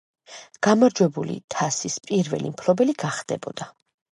გამარჯვებული თასის პირველი მფლობელი გახდებოდა.